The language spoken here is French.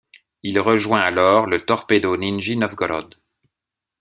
Il rejoint alors le Torpedo Nijni Novgorod.